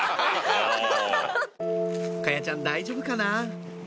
華彩ちゃん大丈夫かな？